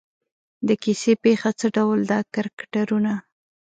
د کیسې پېښه څه ډول ده کرکټرونه.